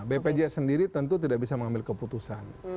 bpjs sendiri tentu tidak bisa mengambil keputusan